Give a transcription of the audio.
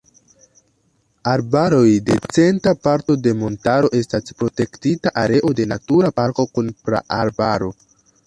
Arbaroj de centra parto de montaro estas protektita areo de Natura parko kun praarbaro.